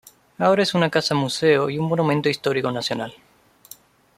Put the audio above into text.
Ahora es una casa museo y un Monumento Histórico Nacional.